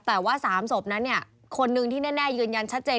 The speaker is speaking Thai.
แต่ว่า๓ศพนั้นเนี่ยคนนึงที่แน่ยืนยันชัดเจน